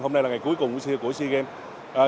hôm nay là ngày cuối cùng của sea games